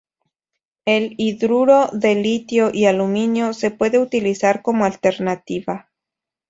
El hidruro de litio y aluminio se puede utilizar como alternativa.